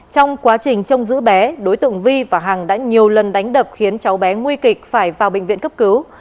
trong quá trình trông giữ bé đối tượng vi và hằng đã nhiều lần đánh đập khiến cháu bé nguy kịch phải vào bệnh viện cấp cứu